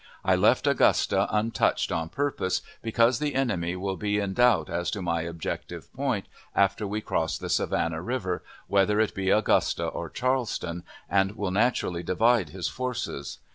I left Augusta untouched on purpose, because the enemy will be in doubt as to my objective point, after we cross the Savannah River, whether it be Augusta or Charleston, and will naturally divide his forces.